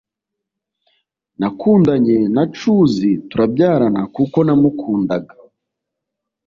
Nakundanye na Chuzi turabyarana kuko namukundaga